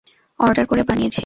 Order করে বানিয়েছি।